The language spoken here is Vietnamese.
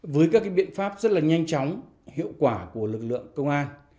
với các biện pháp rất là nhanh chóng hiệu quả của lực lượng công an